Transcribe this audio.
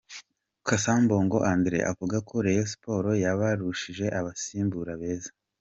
Cassa Mbungo Andre avuga ko Rayonn Sports yabarushije abasimbura beza.